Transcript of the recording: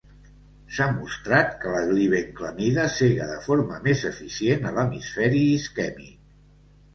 S'ha mostrat que la glibenclamida cega de forma més eficient a l'hemisferi isquèmic.